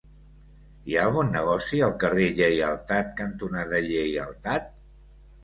Hi ha algun negoci al carrer Lleialtat cantonada Lleialtat?